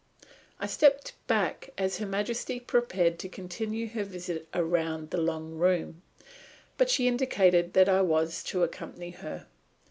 I stepped back as Her Majesty prepared to continue her visit round the long room. But she indicated that I was to accompany her.